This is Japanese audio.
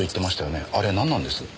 あれなんなんです？